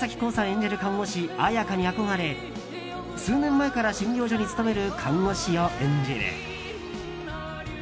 演じる看護師・彩佳に憧れ数年前から診療所に勤める看護師を演じる。